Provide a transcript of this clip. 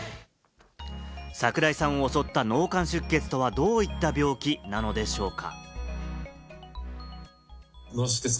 櫻井さんを襲った脳幹出血とはどういった病気なのでしょうか？